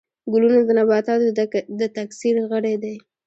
ګلونه د نباتاتو د تکثیر غړي دي